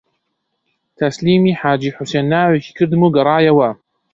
تەسلیمی حاجی حوسێن ناوێکی کردم و گەڕایەوە